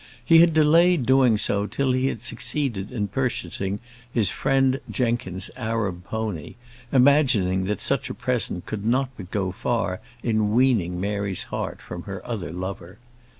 He had delayed doing so till he had succeeded in purchasing his friend Jenkins's Arab pony, imagining that such a present could not but go far in weaning Mary's heart from her other lover.